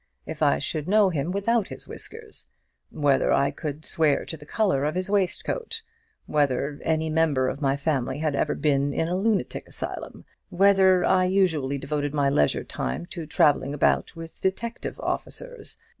if I should know him without his whiskers? whether I could swear to the colour of his waistcoat? whether any member of my family had ever been in a lunatic asylum? whether I usually devoted my leisure time to travelling about with detective officers?